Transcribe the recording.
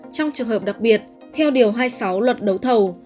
trong trường hợp đặc biệt theo điều hai mươi sáu luật đấu thầu